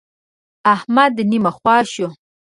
احمد نيمه خوا شو.